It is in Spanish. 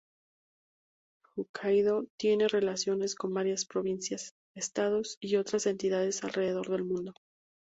Hokkaidō tiene relaciones con varias provincias, estados, y otras entidades alrededor del mundo.